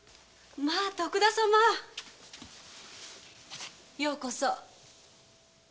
まぁ徳田様ようこそ。